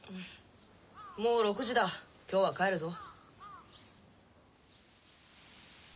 もう６時だ今日は帰るぞ。